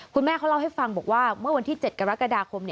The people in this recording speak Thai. คุณแม่เขาเล่าให้ฟังบอกว่าเมื่อวันที่๗กรกฎาคม